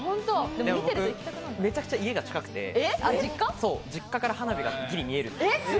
でも、めちゃくちゃ家が近くて、実家から花火がはっきり見える。